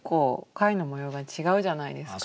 貝の模様が違うじゃないですか。